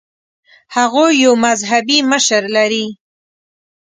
هغوی یو مذهبي مشر لري.